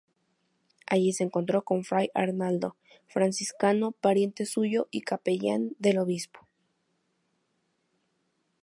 Allí se encontró con fray Arnaldo, franciscano, pariente suyo y capellán del obispo.